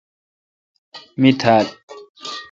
می تھال